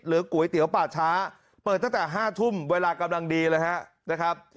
ก๋วยเตี๋ยวป่าช้าเปิดตั้งแต่๕ทุ่มเวลากำลังดีเลยนะครับ